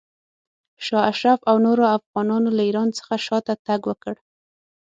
شاه اشرف او نورو افغانانو له ایران څخه شاته تګ وکړ.